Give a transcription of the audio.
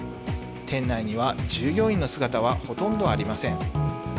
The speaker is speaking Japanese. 店内には従業員の姿はほとんどありません。